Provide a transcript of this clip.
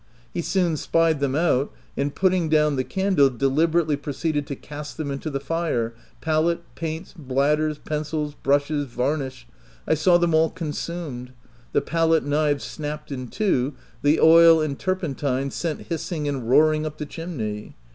He soon spied them out, and putting down the candle, deliberately proceeded to cast them into the fire — palette, paints, bladders, pencils, brushes, varnish — I saw them all consumed — the palette knives snapped in two — the oil and turpentine sent hissing and roaring up the chimney.